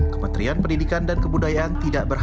kementerian pendidikan dan kebudayaan tidak berhasil